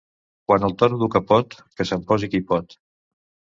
Quan el Toro du capot, que se'n posi qui pot.